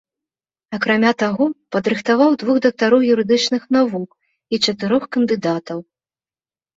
Акрамя таго падрыхтаваў двух дактароў юрыдычных навук і чатырох кандыдатаў.